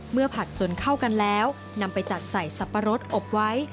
ผัดจนเข้ากันแล้วนำไปจัดใส่สับปะรดอบไว้